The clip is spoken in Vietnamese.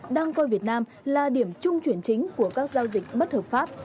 đang coi việt nam là điểm trung chuyển chính của các giao dịch bất hợp pháp